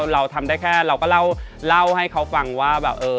เราทำได้แค่เราก็เล่าให้เขาฟังว่าแบบ